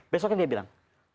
besoknya dia bilang